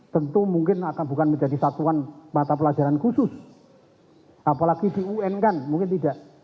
tentu mungkin akan bukan menjadi satuan mata pelajaran khusus apalagi di un kan mungkin tidak